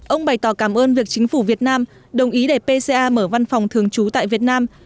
ông bày tỏ cảm ơn việc chính phủ việt nam đồng ý để pca mở văn phòng thường trú tại việt nam